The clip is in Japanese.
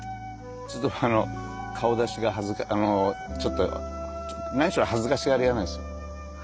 ちょっと顔出しが恥ずかあのちょっとなにしろ恥ずかしがり屋なんです。